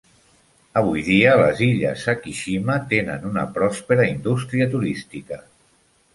Avui dia les illes Sakishima tenen una pròspera indústria turística.